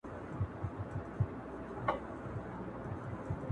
پر اسمان سپیني سپوږمیه د خدای روی مي دی دروړی٫